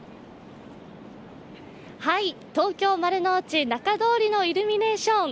東京・丸の内仲通りのイルミネーション。